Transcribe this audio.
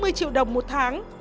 gói hai mươi triệu đồng một tháng